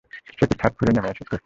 সে কি ছাদ ফুঁড়ে নেমেছে?